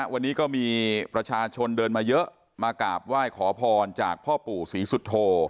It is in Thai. วันนี้ก็มีประชาชนเดินมาเยอะมากราบไหว้ขอพรจากพ่อปู่ศรีสุโธ